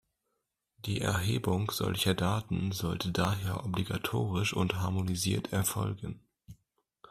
Die Erhebung solcher Daten sollte daher obligatorisch und harmonisiert erfolgen.